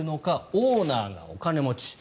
オーナーがお金持ち。